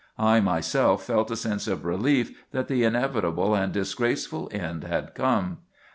I myself felt a sense of relief that the inevitable and disgraceful end had come.